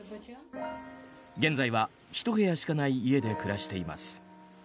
現在は１部屋しかない家で暮らしています。